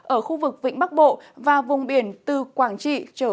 ở khu vực vịnh bắc bộ và vùng biển từ quảng trị